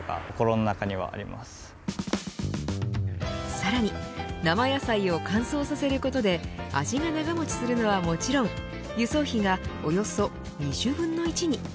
さらに生野菜を乾燥させることで味が長持ちするのはもちろん輸送費がおよそ２０分の１に。